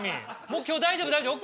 もう今日大丈夫大丈夫。